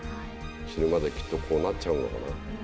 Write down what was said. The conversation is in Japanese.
死ぬまできっとこうなっちゃうのかな。